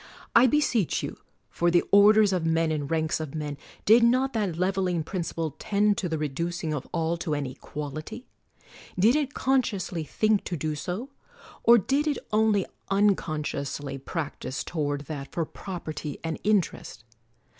I beseech you, for the orders of men and ranks of men, did not that leveling principle tend to the reducing of all to an equality? Did it con sciously think to do so; or did it only uncon sciously practise toward that for property and interest?